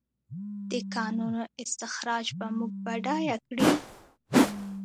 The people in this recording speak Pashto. د کانونو استخراج به موږ بډایه کړي؟